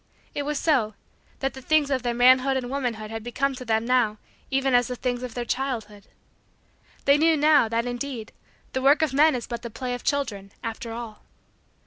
It was so, that the things of their manhood and womanhood had become to them, now, even as the things of their childhood. They knew, now, that, indeed, the work of men is but the play of children, after all.